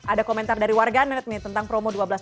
ada komentar dari warganet nih tentang promo dua belas